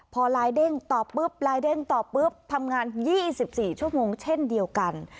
พอไลน์เด้งตอบปุ๊บลายเด้งตอบปุ๊บทำงาน๒๔ชั่วโมงเช่นเดียวกัน